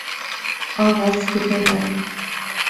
— Ағас киҫәләр.